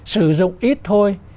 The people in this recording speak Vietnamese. sử dụng ít thôi